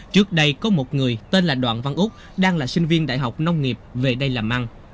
trước đây có một người tên là đoàn văn úc đang là sinh viên đại học nông nghiệp về đây làm ăn